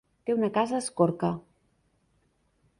Té una casa a Escorca.